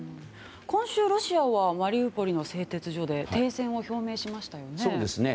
今週、ロシアはマリウポリの製鉄所で停戦を表明しましたよね。